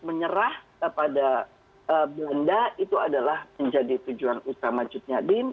menyerah kepada belanda itu adalah menjadi tujuan utama cutnya din